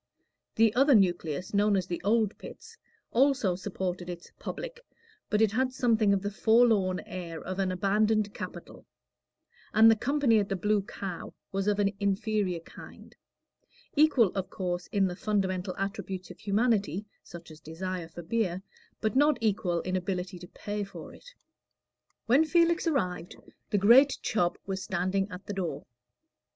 The other nucleus, known as the Old Pits, also supported its "public," but it had something of the forlorn air of an abandoned capital; and the company at the Blue Cow was of an inferior kind equal, of course, in the fundamental attributes of humanity, such as desire for beer, but not equal in ability to pay for it. When Felix arrived, the great Chubb was standing at the door.